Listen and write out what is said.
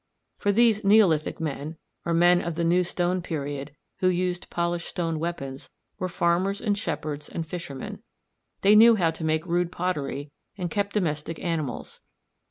For these Neolithic men, or men of the New Stone Period, who used polished stone weapons, were farmers and shepherds and fishermen. They knew how to make rude pottery, and kept domestic animals.